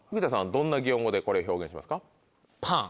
どんな擬音語でこれ表現しますか？